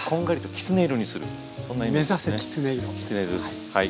きつね色ですはい。